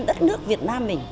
đất nước việt nam mình